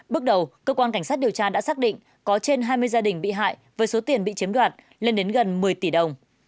bước đầu cơ quan cảnh sát điều tra đã xác định có trên hai mươi gia đình bị hại với số tiền bị chiếm đoạt lên đến gần một mươi tỷ đồng